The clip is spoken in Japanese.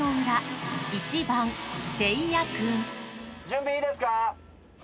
準備いいですか？